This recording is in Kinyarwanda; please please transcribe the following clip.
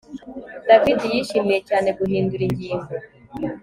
David yishimiye cyane guhindura ingingo